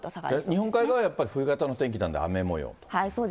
日本海側はやっぱり冬型の天気なんで雨もよう？